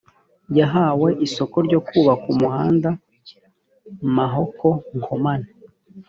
yahawe isoko ryo kubaka umuhanda mahoko nkomane